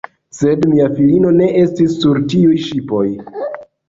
Sed mia filino ne estis sur tiuj ŝipoj.